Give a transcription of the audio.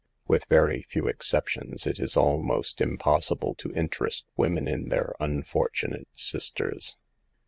With very few exceptions, it is almost impossible to interest women in their unfortunate sisters.